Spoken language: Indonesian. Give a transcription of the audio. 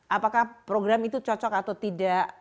apakah program itu cocok atau tidak